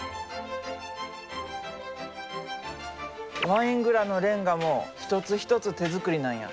ワイン蔵のレンガも一つ一つ手作りなんや。